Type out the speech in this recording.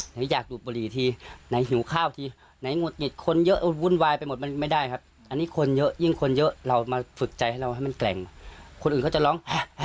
อยากดูดบุหรี่ทีไหนหิวข้าวทีไหนหุดหงิดคนเยอะวุ่นวายไปหมดมันไม่ได้ครับอันนี้คนเยอะยิ่งคนเยอะเรามาฝึกใจให้เราให้มันแกร่งคนอื่นเขาจะร้อง